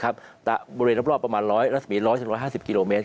บริเวณรอบประมาณ๑๐๐๑๕๐กิโลเมตร